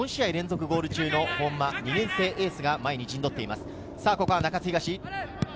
都大会から数えて４試合連続ゴール中の２年生エースが前に陣取っています。